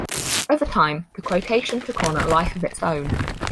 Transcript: Over time, the quotation took on a life of its own.